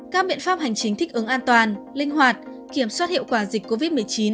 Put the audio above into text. các biện pháp hành chính thích ứng an toàn linh hoạt kiểm soát hiệu quả dịch covid một mươi chín